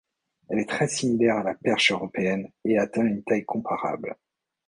Elle est très similaire à la perche européenne et atteint une taille comparable.